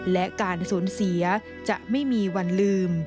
และการสูญเสียจะไม่มีวันลืม